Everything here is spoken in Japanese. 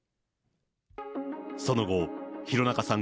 その後、廣中さん